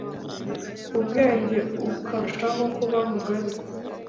umwenge ukarushaho kuba mugari